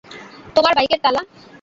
তোমার বাইকের তালা?